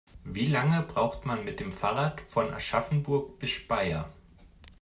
Wie lange braucht man mit dem Fahrrad von Aschaffenburg bis Speyer?